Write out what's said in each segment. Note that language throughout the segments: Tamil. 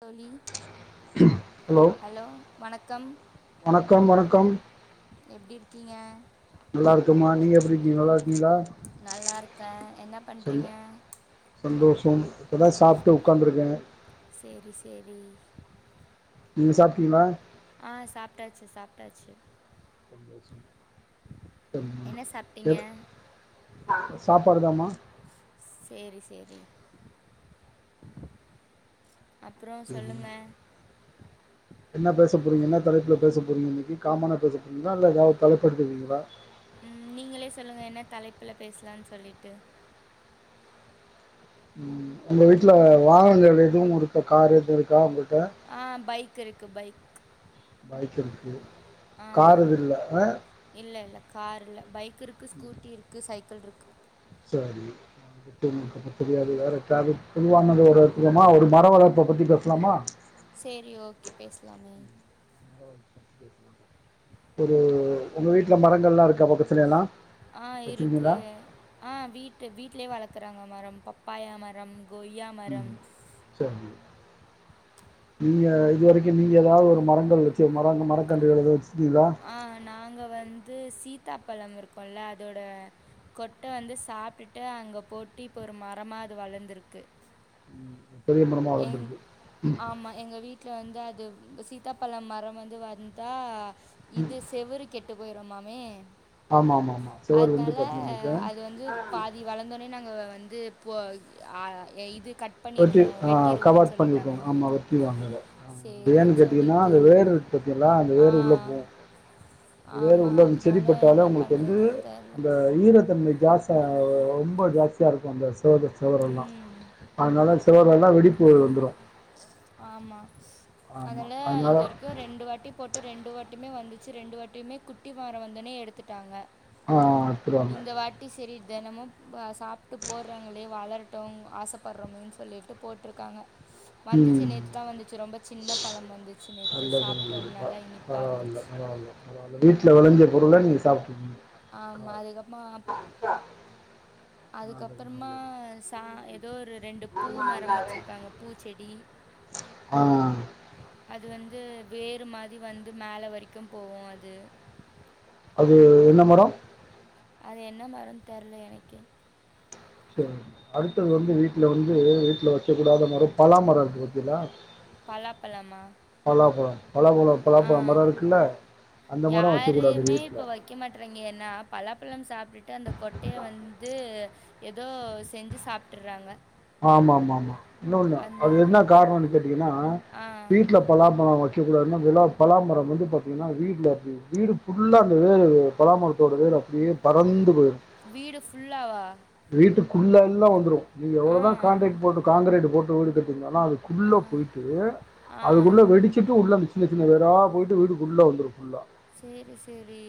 தோலி ஹலோ வணக் கம் வணக்கம் வணக்கம் எப்படி இருக்கீங்க நல்லா இருக்கம்மா நீங்க எப்டி நீங்க நல்லாருக்கீளா நல்லாருக்க என்ன பண்றீங்க சந்தோஷம் இப்ப தா சாப்ட்டு உக்காந்துருக்க சேரி சேரி நீங்க சாப்டிங்களா ஆ சாப்டாச்சு சாப்டாச்சு சந்தோஷோ என்ன சாப்பிட்டீங்க எடுத் சாப் பருதாமா செரி செரி அப்புறோ சரி சொல்லுங்க என்ன பேச போறீங்க என்ன தலைப்புல பேச போறீங்க இன்னிக்கு காமனா பேச போறீங்களா இல்ல ஏதாவது தலைப்ப எடுத்துட்டு வந்துருக்கீங்களா ம் நீங்களே சொல்லுங்க என்ன தலைப்புல பேசலான் சொல்லிட்டு உங்க வீட்ல வாகனங்கள் எதுவு இருக்கா காரு எது இருக்கா உங்க ஆ பைக் இருக்கு பைக் பைக் இருக்கு காரு எது இல்ல அ காரில்ல பைக் க் இருக்கு ஸ்கூட்டி இருக்கு சைக் க்குள் இருக்கு சேரி தெரியாது வேறக்காவது குழுவானது ஒருமா ஒரு மர வளர்ப்ப பத்தி பேசலாமா சேரி ஓகே பேசலாமே ஒரு உங்க வீட்ல மரங்கள் எல்லா இருக்கா பக்கத்துல எல்லா ஆ இருக்கு ஆ வீட்டு வீட்லயே வளக் இருக்கறாங்க மரம் பப்பாயா மரம் கொய்யா மரம். ம் சேரிங்க நீங்க இது வரைக்கு நீங்க ஏதாவது ஒரு மரங்கள் வெச்சு மர மரக்கன்றுகள் எதாச் ஆ நாங்க வந்து சீத்தா பழம் இருக்கும்ல அதோட கொட்ட வந்து சாப்டுட்டு அங்க போட்டு இப்போ ஒரு மரமா அது வளந்துருக்கு பெரிய மரமா எங் வளந்திருக்கு ஆமா எங்க வீட்ல வந்து அத் அது சீத்னதாப்பழம் மரோ வந்து வந்தா இது செவுரு கெட் கெட்டு போயிருமாமே ஆமா ஆமா ஆமா செவுரு வந்து அதனால பாத்தீங்கன்னாக்க அது வந்து பாதி வளந்தோனே நாங்க வந் இது போ அ எ இது கட் பண்ணிருவோ வெட் கவாத் பண்ணி விட்ருவாங்க ஆமா வெட்டிருவாங்க அத ஆ அது ஏன் சரின்னு கேட்டீங்கன்னா சொல்லிட்டு அந்த வேறு பாத்தீங்களா அந்த ஆ வேர் உள்ள போவு வேறு ஆமாம் உள்ள அதனால என்ன செடிப்பட்டாலே உங்களுக்கு வந்து பண்ணுறதுன்னு தெரில அந்த ஈரத்தன்மை ஜாஸ்தியா ரொம்ப ஜாஸ்தியா இருக்கு அந்தஸ் சேரு செவுரெல்லா ம் அதனால சொவரெல்லா வெடிப்பு வந்துரு ஆமா அதனால இது வரைக்கு ரெண்டு வாட்டி போட் டு ரெண்டு வாட்டிமே வந்துச்சு ரெண்டு வாட்டிமே குட்டி மரோ வந்தோனே எடுத்துட்டாங்க ஆ எடுத்துருவாங்க இந்த வாட்டி சேரி தினமு சாப்டு போறாவங்களே வளரட்டு ஆசப்பறோமேன் சொல்லிட்டு போட்ருக்காங்க வந்துச்சு ம். நேத்துதா வந்துச்சு ரொம்ப சின்ன பழம் வந்துச்சு நேத்து நல்லது, நல்லது. சாப்டோம் ப நல்லா இனிப்பா பரவால்ல, இருந்துச்சு பரவால்ல, பரவால்ல. வீட்ல வெளஞ்ச பொருள நீங்க சாப்ருக்கீங்க ஆமா அதுக்கப்புறமா நல்லது, அதுக்கப்புறமா நல்லது. தா எ தோ ஒரு ரெண்டு பூ மரம் வெச்சுருக்காங்க பூச்செடி ஆ அது வந் து வேறு மாரி வந்து மேல வரைக்கும் போவு அது அது என்ன மரோ அது என்ன மரன் தெர்ல எனக்கே சேரி அடுத்தது வந்து வீட்ல வந்து வீட்ல வெக்க கூடாத மரோ பலாமரோ இருக்கு பாத்தியலா பலாப்பழமா பலாப்பழம் ஆ பலாப்பழம் மரம் இருக்குல்ல, அந்த மரம் வைக்கக்கூடாது யாருமே வீட்ல. இப்ப வெக்க மாட்றாங்க ஏன்னா பலாப்பழம் சாப்டுட்டு அந்த கொட்டைய வந்து ஏதோ செஞ்சு சாப்டுறாங்க ஆமா ஆமா ஆமா இன்னொன்னு அது என்ன காரணன் கேட்டீங்கன்னா ஆ வீட்ல பலாபழம் வெக் க்க கூடாது மா விழாப் பலாமரோ வந்து பாத்திங்கனா வீடு ஃபுல்லா அந்த வேரு பலாமரத்தோட வேரு அப்டியே பறந்து போயிரு வீடு ஃபுல்லாவா குள்ள எல்லா வந்துரு நீ எவ்ளோதா ஆ தா காங்ரேட் போட்டு காங்கிரேட் போட் ரோடு கட்டிங்தா ஏன்னா அதுக்குள்ள ஆ போயிட்டு ஆ அதுக்குள்ள வெடிச்சுட்டு உள்ள வந்துருச்சு சின்ன சின்ன வேரா போயிட்டு வீட்டுக்குள்ள வந்துரு ஃபுல்லா சேரி சேரி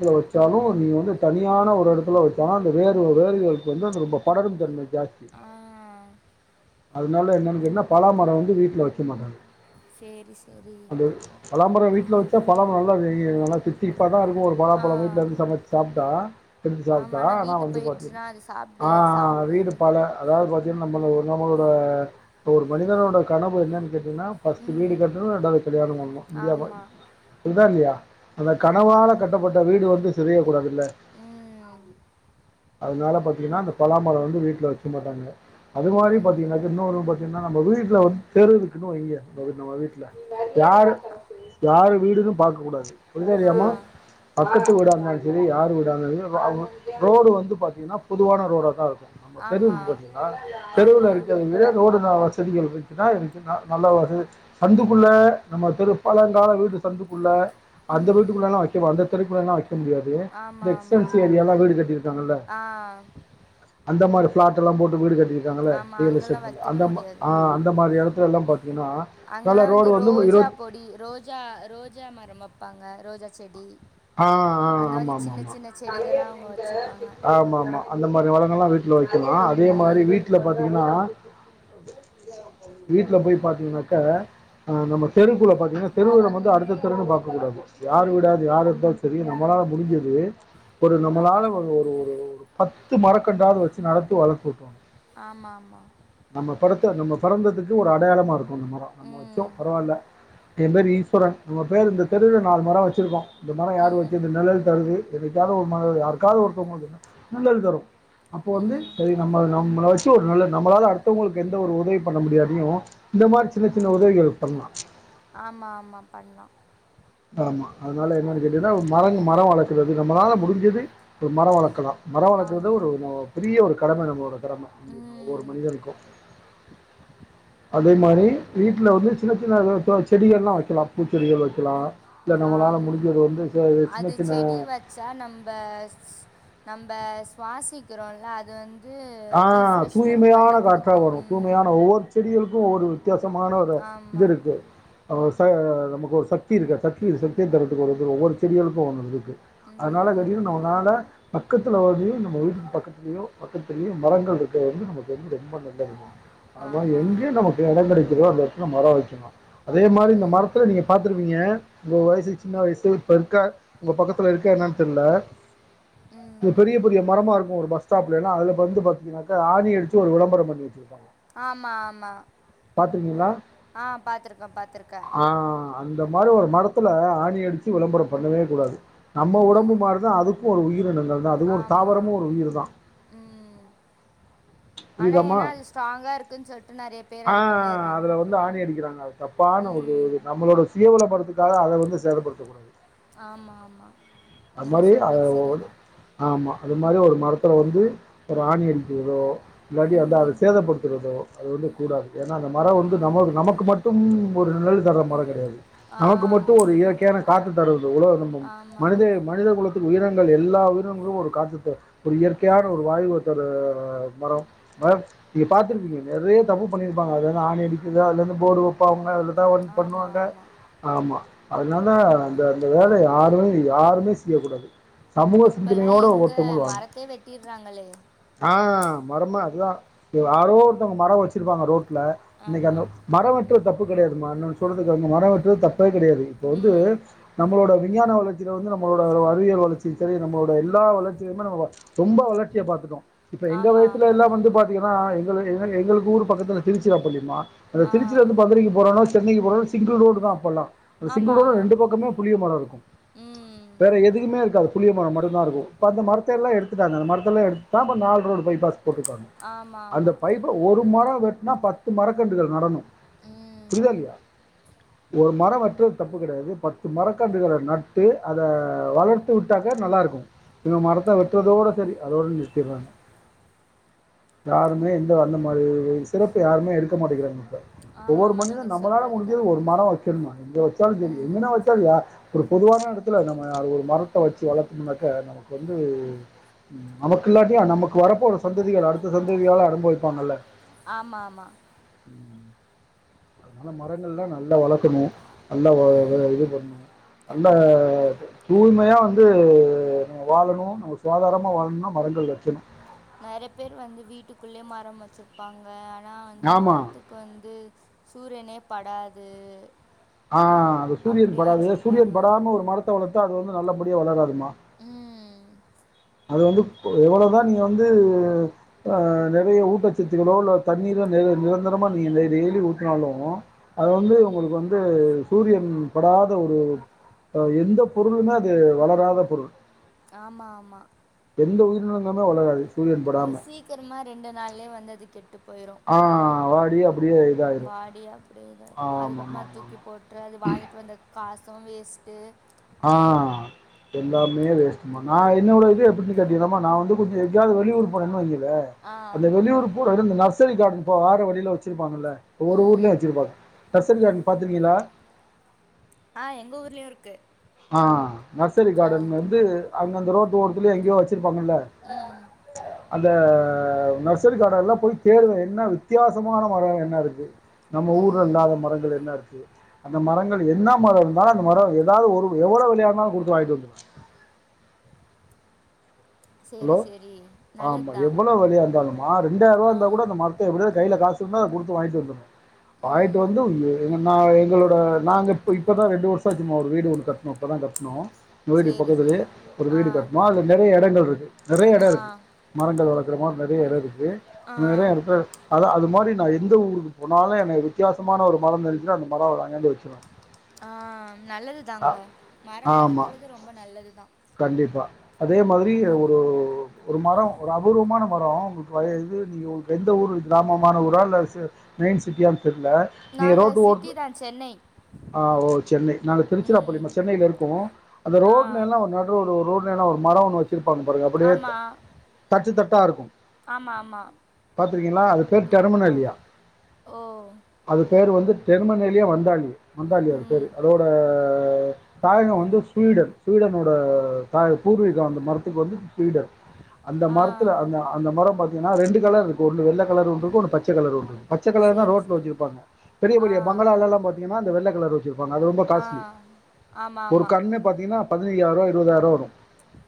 இத வெச்சாலும் நீ வந்து தனியான ஒரு எடத்துல வெச்சாலு அந்த வேறு வேறுகளுக்கு வந்து அந்த ரொம்ப படரும் தன்மை ஜாஸ்த் ஆ அதனால என்னன் கேட்டன்னா பலாமரோ வந்து வீட்ல வெக்க மாட்டாங்க சேரி சேரி பலா மரோ வீட்ல வெச்சா பலா மரோ நல்லா நல்லா தித்திப்பாதா இருக்கு ஒரு ஆ பலாப்பழோ வீட்ல இருந்து சமச்சு சாப்டா எடுத்து ஆமா சாப்டா ஆனா வீட்டு வந்து போயிடுச்சுன்னா பாத்தீங்னா அது ஆ சாப்ட்டு அது வீடு சாப்டுன்னு அதாவது பாத்தீன்னா நம்ம நம்மளோட ஒரு மனிதனோட கனவு வந்து என்னன் கேட் ஃபஸ்ட் வீடு ம் கட்டணு ரெண்டாவது கல்யாணம் பண்ணனு இந்தியா இந் ஆமா கேக்குதா இல்லையா அந்த ஆமா கனவால ஆமா கட்டப்பட்ட வீடு வந்து சிதரிர கூடாதுல்ல ம் அதனால பாத்தீங்கன்னா அந்த பலாமரோ வந்து வீட்ல வெக் வெக்க மாட்டாங்க அது மாரி ம் பாத்தீங்கன்னாக்க இன்னொரு [unintelligible] ஏன்னா நம்ம வீட்ல வந்து தெரு இருக்குன்னு வெயி நம்ம வீட்ல யாரு யாரு வீடுனு பாக்கக் கூடாது ஆ உள்ளரியாம அத் பக்கத்து விடா இருந்தாலு சேரி யாரு விடா வீடா இருந்தாலு சேரி ரோடு வந்து பாத்தீங்கன்னா பொதுவான ரோடாத்தா இருக்கு தெரு ஆமா இருக்கு பாத்திங்களா தெருல ஆமா இருக்குறது ரோடுதா செடிகள் வெக்கனா எனக்கு நல்லா வசதி சந்துக்குள்ள நம்ம தெரு பழங்கால வீடு சந்துக்குள்ள அந்த ம் வீட்டுக்குள்ளனா வெக்குலா அந்தருக்குள்ளனா வெக் வெக்க முடியாது இந்த ஆமா ஆமா எக்ஸ்டன்சிவ் ஏரியல்லா வீடு கட்டிருக்காங்கல்ல ஆ அந்த மார பிளட்லா போட்டு வீடு கட் டி இருக்காங்கள ஆமா அங்கெல்லா ரியலெஸ்டேட் பண்ண வைக்கவே அந்த மா முடியாது ஆ அந்த மாரி எடத் வீடெல்லாம் பாத் அங்கெல்லா வந்து ரோஜா பொடி ரோஜா ரோஜா மரம் அப் வெப்பாங்க ரோஜா செடி ஆ ஆ அந்த மாரி ஆமா ஆமா சின்ன ஆமா சின்ன செடிகளா அவங்க வச்சுப்பாங்க ஆமா ஆமா அந்த மாரி வளர் ங்களா வீட்ல வெயிப் இருக்கலா அதே மாரி ம் வீட்ல பாத்தீங்கன்னா வீட்ல போய் பாத்தீங்கன்னாக்கா ஆ நம்ம தெருக்குள்ள பாத்தீங்கன்னா தெருவுள வந்து அடுத்த தருன்னு பாக்கக் கூடாது யாரு விடாது யாரு சேரி நம்மளால முடிஞ்சது ஒரு நம்மளால ஒரு ஒரு பத்து மரக்கண்ணாவது வெச்சு நடத்தி வளத்து விட்ருவாங்க ஆமா ஆமா ட நம்ம பொறந்ததுக்கு ஒரு அடையாளமா இருக் கு அந்த மரோ நம்ம வெச்சோ ம் பரவால்ல என்ன ஈஸ்வர உங்க பேர் இந்த தெருவுல நாலு மரோ வெச்சுருக்கோ இந்த மர யாரு ம் வெச்சது நெழல் தருது என்னைக்காவது ஒரு மர யாருக்காவது ஒருத்தவங்களுக்கு நிழல் தரு அப்போ வந்து ம். செரி நம்ம நம்மலாச்சு நல்ல நம்மளால அடுத்தவுங்களுக்கு எந்த ஒரு உதவி பண்ண முடியாட்டியு இந்த மாரி சின்ன- சின்ன உதவிகள் பண்ணலா ஆமா -ஆமா பண்லா ஆமா அதனால என்னன்னு கேட்டீங்னா மரம் மர வளக்குறது நம்மளால முடிஞ்சது ஒரு மர வளர்க்கலா மர வளக்குறது ஆமா. ஒரு பெரிய ஒரு கடம நம்மளோடது ஒவ்வொரு ம். மனிதனுக்கு அதே மாரி வீட்ல வந்து சின்ன -சின்ன செடிகள்லா வெக்கலா பூ செடிகள் வெக்கலா ஆமா சின்ன அது சின்ன செடி வச்சா நம்ப ந இப்ப சுவாசிக்கிறோல அது வந்து ஆ ரீஃப்ரெஷ்மெண்ட் தூய்மையான பண்ணி காத்தா குடுக்கும். வரு ம். தூய்மையான ஒவ்வொரு செடியளுக்கு போ ஒரு வித்தியாசமான ஒரு இது ஆமா. இருக்கு ச நமக்கு ஒரு சக்தி இருக்குது சக்தி சக்திய தர்றதுக்கு ஒரு ஒவ்வொரு செடிகளுக்கு ஒவ்வொன்னு இது இருக்கு அதனால ம். திடீர்னு அவுங்கனால பக்கத்ல வந்து நம்ம வீட்டு பக்கத்துலயோ பக்கத்து பெரிய மரங்கள் இருக்க வந்து நமக்கு வந்து ரொம்ப நல்லதுங்க அதா ஆமா. எங்கே நமக்கு எடங் கெடைக்குதோ அங்க மர வெக்கணு அதே மாரி இந்த ம். மரத்ல நீங்க பாத்துருப்பீங்க உங்க வயசு சின்ன வயசு இப்ப இருக்க உங்க பக்கத்ல இருக்கா என்னன்னு தெரில ம். பெரிய பெரிய மரமா இருக்கு ஒரு பஸ் ஸ்டாப்லனா அதுல வந்து பாத்தீங்கன்னாக்க ஆணி அடுச்சு ஒரு விளம்பர பண்ணி வச்சிருப்பாங்க ஆமா ஆமா பாத்தீங்கன்னா ஆ பாத்துருக்கே பாத்துருக்கே இந்த மாரி ஒரு மரத்ல ஆணி அடிச்சு விளம்பர பண்ணவே கூடாது நம்ம ஒடம்பு ம். மாரிதா அதுக்கு ஒரு உயிரினங்கள் தா அதுவு ஒரு தாவரமு ஒரு உயிர் தா உம் ஆனா ஏனா அது ஸ்ட்ராங்கா இருக்குன் சொல்ட்டு நெறய பேர் அத ஆஹ் பண்ணிர்றாங்க அதுல வந்து ஆணி அடிக்கிறாங்க அது தப்பான ஒரு ம். நம்மளோட தீவலப்பறத்துக்காக அத வந்து செயல்படுத்தப் போறாங்க ஆமா ஆமா அது நீங்க மாரி சொல்றது சரிதான் ஆமா அது மாதரி ஒரு மரத் தோட வந்து ஒரு ஆணி அடிக்குறதோ இல்லாட்டி வந்து அத ம் சேதப்படுத்துறதோ அது வந்து கூடாது ஏன்னா அந்த மரோ வந்து நம ஆமா நமக்கு மட்டும் ஒர் ஒரு நாள்ல தர மரங் கெடையாது ஆ நமக்கு மட்டு ஒரு இயற்கையான காத்து தரு எவ்ளோ இது நம்ம ஆமா மனிதே ஆமா [unintelligible] உயிரினங்கள் எல்லா உயிரினங்களு வரு காட்டுக்குள்ள இயற்கையான ஒரு வாய்வ தர மரோ மரம் இத பாத்துருப்பீங்க நறைய தப்பு பண்ணிருப்பாங்க அதுல ஆணி அடிக்குறது அதுல வந்து போடு வெப்பாங்க அதுல எதா ஒன் ஆமா பண்ணுவாங்க ஆமா ஆமா அதனால அந்த அந்த வேல யாருமே யார் செய்யக்க கூடாது சமூக இப்பல்லாம் சிந்தனையோட எங்க ஒவ்வொருத்தவங்களு வாழனு மரத்தே வெட்டிடுறாங்களே ஆ மரமா அதுதா ஒரு ஆரோ ஒருத்தவங்க மரோ வெச்சுருப்பாங்க ரோட் ட்ல இன்னைக்கு அந் ஆமா மர வெட் வெட்றது தப்பு கெடையாதுமா இன்னொன் சொல்றத கேளுங்க மர வெட்றது தப் பே கெடையாது இப்ப வந்து ம் நம்மளோட விஞ்ஞான வளர்ச்சில வந்து நம் நம்மளோட அறிவியல் வளர்ச்சி சரி நம்மளோட எல்லா வளர்ச்சியுமே ரொம்ப வளர்ச்சிய பாத்துட்டோ இப்ப எங்க ஆமா வயசுல ஆமா எல்லா வந்து பாத்தீங்கன்னா எங்களு எங்க எங்களுக்கு ஊரு பக்கத்துல திருச்சிராப்பள்ளிம்மா அந்த ஆ திருச்சிலிருந்து மதுரைத்திரக்கு போறணு சென்னைக்கு ஒரு சங்கிள் ரோடுதா அப்பல்லா அந்த ஆமா சிங்கிள் ரோடு ஆமா ரெண்டு பக்கமே புளிய மரோ ம் இருக்கு எதுமே இருக்காது புளிய மரோ மட்டுந்தா இருக்கு இப்ப அந்த மரத்தெல்லா எடுத்துடாங்க அந்த மரத்தெல்லா எடுத்துதா இப்ப நாலு ரோடு பை பாஸ் போட்ருக்காங்க ஆமா அந்த ஆமா பைப்ப ஒரு மரோ வெட்டனா பத்து மரக்கன்றுகள் நடனு ம் புரிதா இல்லையா ஒரு மரோ வெட்றது தப்பு கெடையாது பத்து மரக்கன்றுகள நட்டு அத வளர்த்து விட்டாக்க நல்லா இருக்கு. இவங்க மரத்த வெட்றதோட சரி அதோட நிறுத்திர்றாங்க. யாருமே எந்த அந்த மாரி சிறப்பு யாருமே எடுக்க மாட்டேங்கிறாங்க இப்ப ஆமா ஒவ்வொரு ஆமா நீங்க மனிதன் நம்மளால சொல்றது முடிஞ்சது ஒரு கரெக்டு தான் மரோ வைக்கணும்மா எங்க வச்சாலு சரி ம் எங்கன வச்சாலு யா ஒரு பொதுவான எடத் துல நம்ம ஒரு மரத்த வச்சு வளத்தம்னாக்க நமக்கு வந்து ம் நமக்கு இல்லாட்டியு நமக்கு வரப்போற சந்ததிகள் அடுத்த சந்ததியாவது அனுபவிப்பாங்கல்ல ஆமா ஆமா அதனால மரங்கள்லா நல்லா வளக்கணு நல்லா அ அதாவ்து ம் இது பண்ணணு நல்ல அ தூய்மையா வந்து நம்ம வாழணு நம்ம சுகாதாரமா வாழணுன்னா மரங்கள் வைக்கணு நெறைய பேர் வந்து வீட்டுக்குள்ளயே மரம் வச்சிருப்பாங்க ஆனா வந்து ஆமா மரத்துக்கு வந்து சூரியனே படாது ஆ அது சூரியன் அப்படியும் படாது சூரியன் வச்சுருப்பாங்க படாம ஒரு மரத்த வள த்தா அது வந்து நல்லபடியா வளராது ஆமா ம் அது வந்து ப்போ எவ்வளவுதா நீங்க வந்து ஆ நெறைய ஊட்டச்சத்துகளோ இல்ல தண்ணீரோ நி நிரந்தரமா நீங்க டெ டெய்லி ஊட்டுனாலு அது வந்து உங்களுக்கு வந்து சூரியன் படாத ஒரு எந்த ஆ பொருளுமே அது வளராத பொருள் ஆமா ஆமா எந்த உயிரினங்களுமே வளராது சூரியன் அது படாம சீக்கிரமா ரெண்டு நாள்லயே வந்து அது கெட்டு போயிடும் ஆ வாடி அப்பிடியே இதாயிரு போடுக அதுக்கப்பறமா ஆமாமாமாமா தூக்கிப் போட்டு அது வாங்கிட்டு வந்த காசு வேஸ்ட்டு ஆ எல்லாமே வேஸ்ட்டுமா நா என்னோட இது எப்பிடின்னு கேட்டயின்னாம்மா நா வந்து கொஞ்ச எங்காவது வெளியூர் போறேன்னு வய் யே ஆ அந்த வெளியூர் போ கயில இந்த நர்சரி கார்டன் இப்போ வார வழில வச்சிருப்பாங்கல்ல ஒவ்வொரு ம் ஊர்லயு வச்சுருப்பாங்க நர்சரி கார்டன் பாத்துருக்கீங்களா ஆ எங்க ஊர்லயு இருக்கு ஆ நர்சரி ஆ கார்டன் வந்து அங்க அந்த ரோட் ட்டு ஓரத்துலயோ எங்கயோ வச் சுருப்பாங்கல்ல ம் அந்த ஆ நர்சரி கார்டன் எல்லா போய் தேடுவே என்ன வித்தியாசமான மரோ என்ன இருக்கு? நம்ம ஊர்ல ம் இல்லாத மரங்கள் என்ன இருக்கு? அந்த மரங்கள் என்னா மர இருந்தாலு அந்த மர ஏதாவது ஒரு எவ்வளோ வெலயா இருந்தாலு குடுத்து வாங்கிட்டு வந்துருவே ஹலோ சரி சரி ஆமா நல்லது தான் எவ்வளோ வெலயா இருந்தாலு ஆ ரெண்டாயிரூவா ஆ இருந்த கூட அந்த மரத்த எப்படியாது கையில காசு சொன்னத குடுத்து வாங்கிட்டு வந்தரணு வாங்ட்டு ம் வந்து உ நா எங்களோட இப்ப நாங்க இப்ப இப்பதா ரெண்டு வருஷோ ஆச்சும்மா ஒரு வீடு ஒன்னு கட்ணோ இப்பதா கட்ணோ வீடு சேரி பக்கதுலே சேரி ஒரு ஆ வீடு கட்ணோ அதுல நெறய இட [unintelligible] நெறய எட ஆ இருக்கு மரங்கள் வள வக்கிற மாரி நெறய எட இருக்கு ஆ நெறயா இருக்கு அத அது மாரி ந எந்த ஊருக்கு போனாலு எனக்கு வித்யாசமான ஒரு மரம் இருந்துச்சுனா அந்த மர வ ஆ நல்லதுதாங்க ஆ- மரம் ஆமா வளர்க்குறது ரொம்ப நல்லதுதா கண்டிப்பா அதே மாதிரி ஒரு ஒரு ஒரு மரோ ஒரு அபூர்வமான மரோ உங்களுக்கு வ இது நீங்க உங்களுக்கு எந்த ஊரு கிராமமான ஊரா இல்ல மெயின் சிட்டியா தெர்ல நீங்க நாங்க ரோட்டு ஓரத் சிட்டி தா சென்னை ஆ ஒ சென்னை நாங்க ம் திருச்சிராப்பள்ளிமா சென்னைல இருக்கோ அந்த ஆ ரோட்லா எல்லா நடு ரோடு என்னனா ஒரு மர ஒன்னு வெச்சிருக்க ங்க அப்படியே ஆமா தட்டுத்தட்டு த இருக்கு ஆமா ஆமா பாத்து இருக்கீங்ளா அது பேர் ஆ டெரமனல்லியா ஓ அது பேர் வந்து டெரமனல்லியே வந்தாரு அம்பானி பேரு ம் அதோட தாயக வந்து ஸ்வீடன் ஸ்வீடனோட தாய் பூர்வீக வந்து மருத்துவ வந்து ஃபீடர் அந்த ஆ மரத்ல அந்த அந்த மர பாத்த ஏன்னா ரெண்டு கலர் இருக்கு ஒன்னு வெள்ள கலர் ஒன்னு இருக்கு ஒன்னு பச்ச கலர் ஒன்னு இருக்கு பச்சக்கலர் தா சேரி ரோட்ல சேரி வெச்சிருப்பாங்க பெரிய ஆ பெரிய பங்களால எல்லா பாத்தீங்னா அந்த வெள்ளக்கலரு இருப்பங்க அது ரொம்ப ஆ காஸ்ட்லி ஆமா ஒரு ஆமா கண்ணே பாத்தீங்கன்னா பதினையாயிரோ இருபதாயிரோ வரு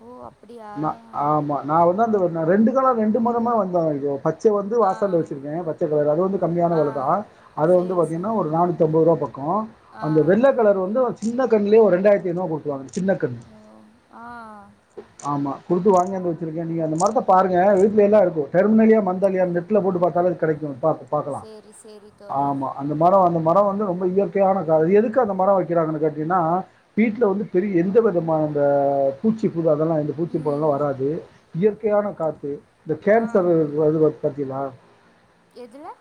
ஓ அப் மா ஆமா நா வந்து அந்த ரெண்டு காலம் ரெண்டு மதமே வந்த பத்து பச்சை வந்து ஆ வாசல வச்சருக்கே பச்ச கலர் அது வந்து கம்மியான ஆ வில தா அது வந்து சேரி பார்த்திங்கன்னா சேரி ஒரு நானூத்தம்பது ரூபா பக் அ ஆ அந்த வெள்ளை கலர் வந்து வச்சு சின்ன கண்ணுலயு ஒரு ரெண்டாயிரத்து ஐ நூறுவா போட்டுவங்க ஓ ஆ ஆமா [unintelligible] வாங்கொண்டு வச்சிருக்கே நீங்க அந்த மரத்த பாருங்க வீட்ல லா இருக்கு டெர்மனலியா மன்தலியா நெட்ல போட்டு பார்த்தாலே கெடைக்கு பாப்போ பாக்கலா சேரி சேரி தோழர் ஆமா அந்த மரோ வந்து மரம் வந்து ரொம்ப இயற்கையானது எதுக்குக்காக அந்த மரோ வைக்கிறாங்கனு கேட்டிங்கனா வீட்ல வந்து பெரிய எந்த விதமான இந்த பூச்சி புழு அதெல்லா பூச்சி புழுவெல்லா ம் வராது இயற்கையான காற்று இந்த கேன்சர் ஆம் இது வருது பாத்தீங்களா எதுல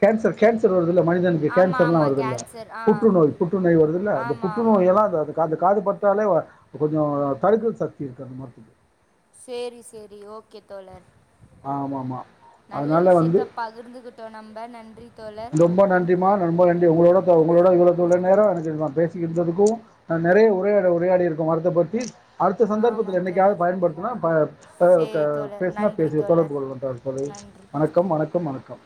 கேன்சர் கேன்சர் வருது ல்ல மனிதனுக்கு ஆமா கேன்சர்ல்லா ஆமா வருதுல கேன்சர் ஆ புற்றுநோய் புற்றுநோய் வருதுல ஆமா ஆமா புற்றுநோய எல்லாம் அந்த காத்துப்பட் தலைவ கொஞ்சோ தடுக்கர சக்தி கமத்துது செரி செரி ஓகே தோழர் ஆமாமா. நல்ல அதனால வந்து விஷயத்த பகிர்ந்துகிட்டோ நம்ப நன்றி தோழர் ரொம்ப நன்றிம்மா ரொம்ப நன்றி உங்களோட இப்ப உங்களோட இவ்வளவு நேரம் பேசுகிட்டு இருக்கோ நிறைய உரையாடல் உரையாடி இருக்கோ மரத்த பத்தி அடுத்த ஆமா சந்தர்பத்தில என்னைக்குாவது தோழர் பயன்படுத்தனா ப ப க சேரி தோழர் பேசினா நன்றி தொடர்பு தோழர் கொள்ளவு தோழி நன்றி வணக்கம் வணக்கம் க்கு வணக்கம்